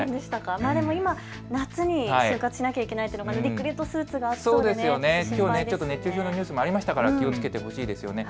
今、夏に就活しないというのはリクルートスーツ、熱中症のニュースもありましたから気をつけてほしいですよね。